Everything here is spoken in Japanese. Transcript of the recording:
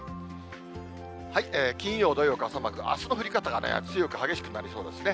金曜、土曜傘マーク、あすの降り方が、強く激しくなりそうですね。